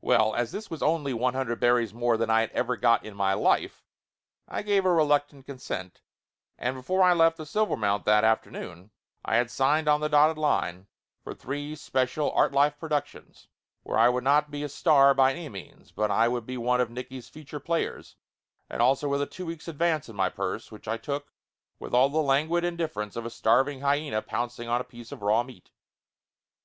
Well, as this was only one hundred berries more than I had ever got in my life I give a reluctant con sent, and before I left the Silvermount that afternoon I had signed on the dotted line for three special Artlife productions, where I would not be a star by any means but would be one of Nicky's feature players, and also with a two weeks' advance in my purse, which I took with all the languid indifference of a starving hyena pouncing on a piece of raw meat.